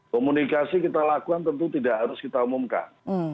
komunikasi kita lakukan tentu tidak harus kita umumkan